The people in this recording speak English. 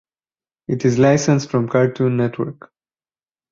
It is licensed from Cartoon Network.